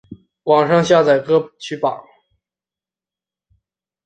网上下载歌曲榜